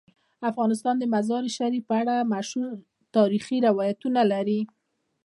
افغانستان د مزارشریف په اړه مشهور تاریخی روایتونه لري.